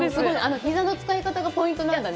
ひざの使い方がポイントなんだね。